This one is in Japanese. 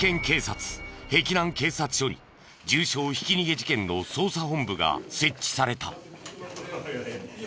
警察碧南警察署に重傷ひき逃げ事件の捜査本部が設置された。